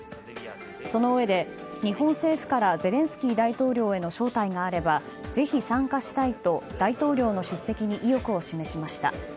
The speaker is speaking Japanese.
そのうえで、日本政府からゼレンスキー大統領への招待があれば、ぜひ参加したいと大統領の出席に意欲を示しました。